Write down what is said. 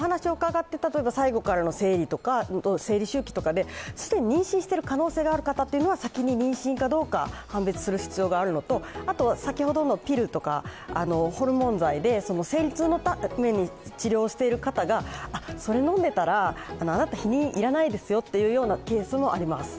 最後からの生理とか生理周期とかで既に妊娠している可能性がある方というのは先に妊娠かどうか判別する必要があるのと先ほどのピルとか、ホルモン剤で生理痛のために治療している方が、それ飲んでいたらあなた、避妊要らないですよというようなケースもあります。